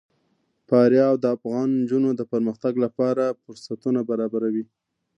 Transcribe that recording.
فاریاب د افغان نجونو د پرمختګ لپاره فرصتونه برابروي.